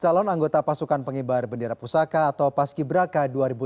calon anggota pasukan pengibar bendera pusaka atau paski braka dua ribu delapan belas